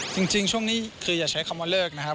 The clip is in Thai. จริงช่วงนี้คืออย่าใช้คำว่าเลิกนะครับ